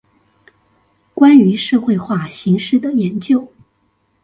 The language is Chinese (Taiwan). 關於社會化形式的研究